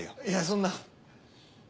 いやそんな。